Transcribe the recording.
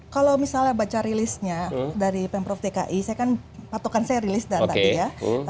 kalau misalnya baca rilisnya dari pemprov dki saya kan patokan saya rilis dan tadi ya